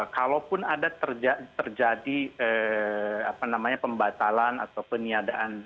kalaupun ada terjadi pembatalan atau peniadaan